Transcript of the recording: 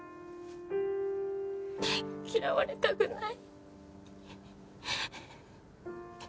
嫌われたくない。